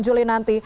ya sudah sudah